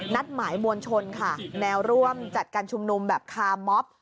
นัดหมายมวลชนค่ะแนวร่วมจัดการชุมนุมแบบคาร์มอบ